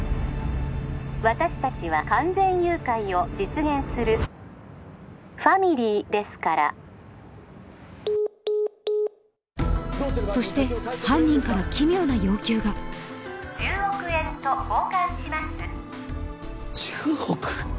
☎私達は完全誘拐を実現する☎ファミリーですからそして犯人から奇妙な要求が１０億円と交換します１０億？